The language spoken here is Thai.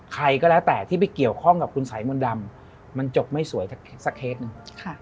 ใครก็แล้วแต่ที่ไปเกี่ยวข้องกับคุณสายมนต์ดำมันจบไม่สวยสักเคสหนึ่ง